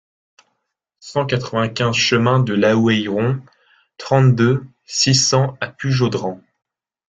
cent quatre-vingt-quinze chemin de l'Aoueilleron, trente-deux, six cents à Pujaudran